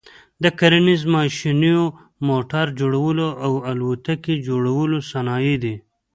د کرنیز ماشینو، موټر جوړلو او الوتکي جوړلو صنایع دي.